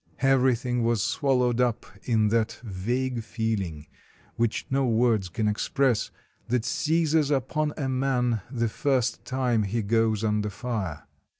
Everything was swallowed up in that vague feeling, which no words can express, that seizes upon a man the first time he goes under fire.